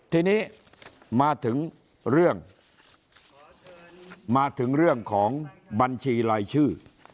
ทีนี้มาถึงเรื่องมาถึงเรื่องของบัญชีรายชื่อ